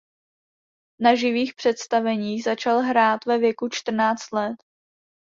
Na živých představeních začal hrát ve věku čtrnáct let.